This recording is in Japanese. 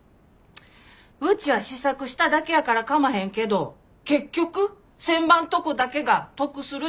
うちは試作しただけやからかまへんけど結局仙波んとこだけが得するっちゅう話やろ？